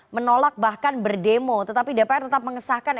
menolak bahkan berdemo tetapi dpr tetap mengesahkan